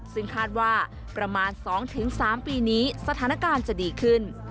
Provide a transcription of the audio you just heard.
ซึ่งคาดว่าประมาณ๒๓ปีนี้สถานการณ์จะดีขึ้น